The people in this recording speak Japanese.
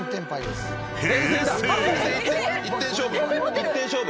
一点勝負！